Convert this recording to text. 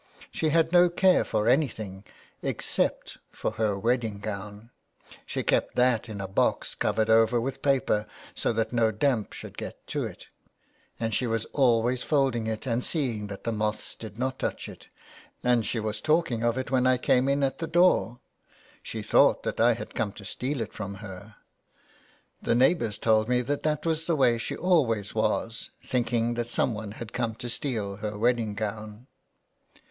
She had no care for anything except for her wedding gown. She kept that in a box covered over with paper so that no damp should get to it, and she was always folding it and seeing that the moths did not touch it, and she was talking of it when I came in at the door. She thought that I had come to steal it from her. The neighbours told me that that was the way she always was, think ing that someone had come to steal her wedding gown."